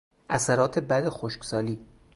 اثرات بد خشکسالی